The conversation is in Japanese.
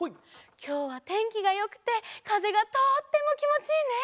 きょうはてんきがよくてかぜがとってもきもちいいね！